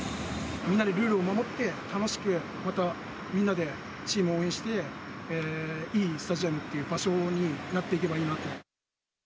みんなでルールを守って、楽しく、またみんなでチームを応援して、いいスタジアムという場所になっていけばいいなって。